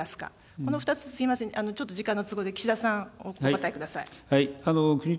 この２つ、すみません、ちょっと時間の都合で、岸田さん、お答えください。